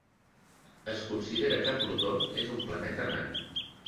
Es considera que Plutó és un planeta nan.